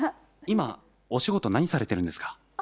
・今お仕事何されてるんですか？